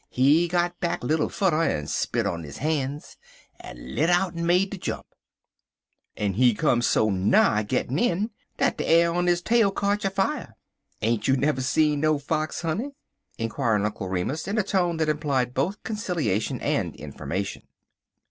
He got back little fudder, en spit on his han's, en lit out en made de jump, en he come so nigh gittin' in dat de een' er his tail kotch afier. Ain't you never see no fox, honey?" inquired Uncle Remus, in a tone that implied both conciliation and information.